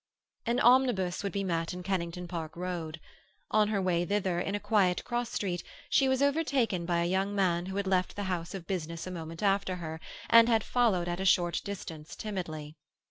An omnibus would be met in Kennington Park Road. On her way thither, in a quiet cross street, she was overtaken by a young man who had left the house of business a moment after her, and had followed at a short distance timidly.